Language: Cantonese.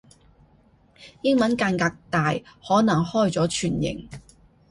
英文間隔大可能開咗全形